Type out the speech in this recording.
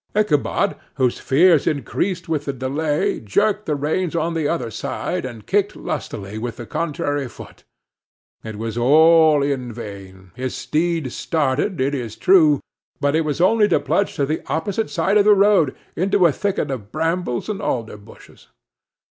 Ichabod, whose fears increased with the delay, jerked the reins on the other side, and kicked lustily with the contrary foot: it was all in vain; his steed started, it is true, but it was only to plunge to the opposite side of the road into a thicket of brambles and alder bushes.